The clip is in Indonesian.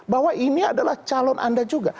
bahwa ini adalah calon anda juga